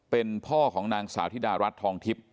เป็นพ่อของนางสาวธิดารัฐทองทิพย์